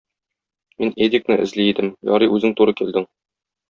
Мин Эдикны эзли идем, ярый үзең туры килдең.